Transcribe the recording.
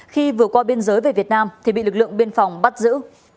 khi vừa qua biên giới về việt nam thì bị lực lượng biên phòng bắt giữ